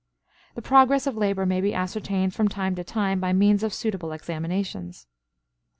The progress of labor may be ascertained from time to time by means of suitable examinations.